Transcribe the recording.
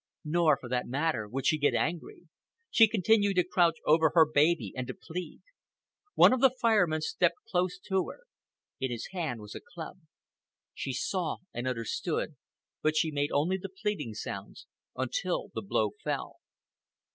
Nor, for that matter, would she get angry. She continued to crouch over her baby and to plead. One of the Fire Men stepped close to her. In his hand was a club. She saw and understood, but she made only the pleading sounds until the blow fell.